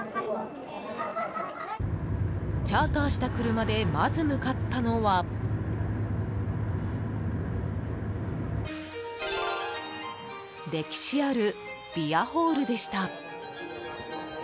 チャーターした車でまず向かったのは歴史あるビアホールでした。